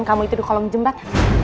kamu itu di kolong jembatan